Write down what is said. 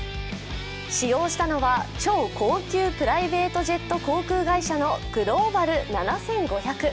使用したのは、超高級プライベートジェット航空会社のグローバル７５００。